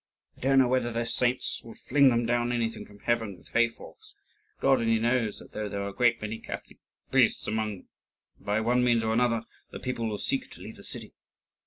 I don't know whether their saints will fling them down anything from heaven with hayforks; God only knows that though there are a great many Catholic priests among them. By one means or another the people will seek to leave the city.